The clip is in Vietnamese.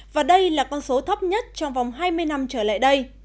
và đây là con số thấp nhất trong vòng hai mươi năm trở lại đây